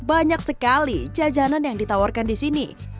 banyak sekali jajanan yang ditawarkan disini